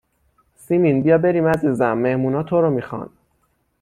سیمین بیا بریم عزیزم مهمون ها تو رو میخوان